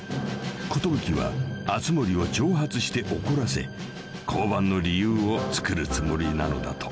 ［寿は熱護を挑発して怒らせ降板の理由をつくるつもりなのだと］